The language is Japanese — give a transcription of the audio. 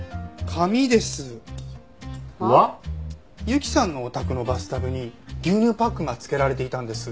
由紀さんのお宅のバスタブに牛乳パックがつけられていたんです。